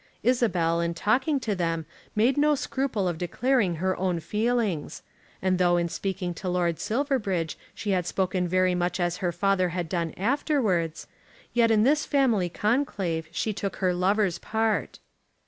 Isabel in talking to them made no scruple of declaring her own feelings; and though in speaking to Lord Silverbridge she had spoken very much as her father had done afterwards, yet in this family conclave she took her lover's part.